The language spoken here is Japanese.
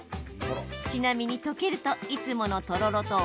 ちなみに溶けるといつものとろろと同じ味わいに。